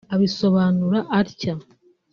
Abisobanura atya